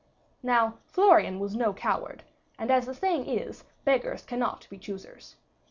Now, Florian was no coward, and, as the saying is, beggars cannot be choosers.